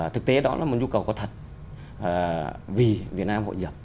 thực tế đó là một nhu cầu có thật vì việt nam hội nhập